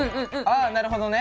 ああなるほどね。